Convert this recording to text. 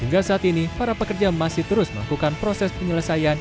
hingga saat ini para pekerja masih terus melakukan proses penyelesaian